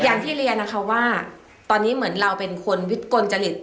อย่างที่เรียนนะคะว่าตอนนี้เหมือนเราเป็นคนวิกลจริต